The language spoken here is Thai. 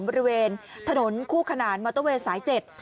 บริเวณถนนคู่ขนานมอเตอร์เวย์สายเจ็ด